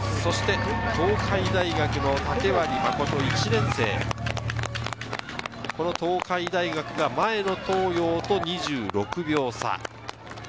そして東海大学の竹割真・１年生、東海が前の東洋と２６秒差。